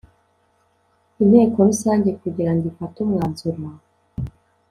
Inteko rusange kugirango ifate umwanzuro